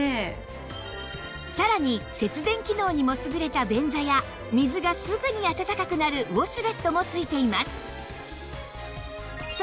さらに節電機能にも優れた便座や水がすぐに温かくなるウォシュレットも付いています